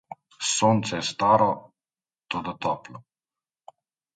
Sonce je staro, toda toplo.